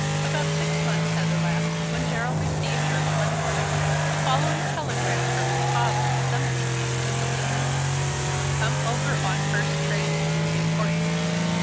About six months had elapsed when Darrell received, early one morning, the following telegram from his father, summoning him to Galena: "Come over on first train. Important."